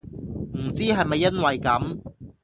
唔知係咪因為噉